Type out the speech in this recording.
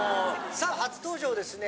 さあ初登場ですね